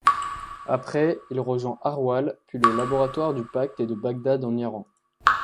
Après il rejoint Harwell puis le laboratoire du Pacte de Bagdad en Iran.